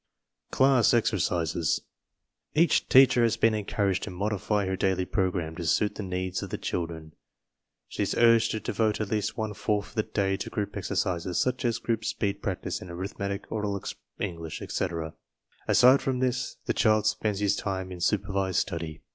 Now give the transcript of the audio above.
CLASS EXERCISES Each teacher has been encouraged to modify her daily program to suit the needs of the children. She is urged to devote at least one fourth of the day to group exercises such as group speed practice in arithmetic, oral English, etc. Aside from this, the child spends his time in supervised study.